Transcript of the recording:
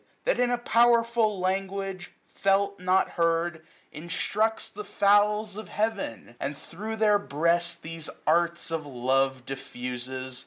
That, in a powerful language, felt not heard. Instructs the fowls of heaven ! and thro' their breast These arts of love diflfuses